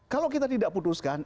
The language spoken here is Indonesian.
kalau kita tidak putuskan